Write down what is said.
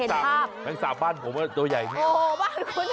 แต่แม่งสาวบ้านผมตัวใหญ่แหละ